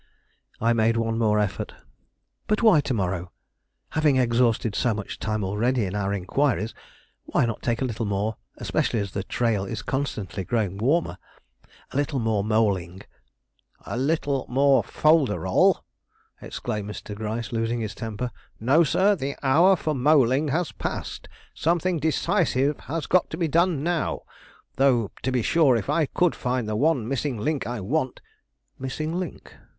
I made one more effort. "But why to morrow? Having exhausted so much time already in our inquiries, why not take a little more; especially as the trail is constantly growing warmer? A little more moleing " "A little more folderol!" exclaimed Mr. Gryce, losing his temper. "No, sir; the hour for moleing has passed; something decisive has got to be done now; though, to be sure, if I could find the one missing link I want " "Missing link?